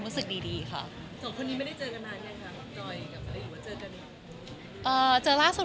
เป็นอะไรของร้าน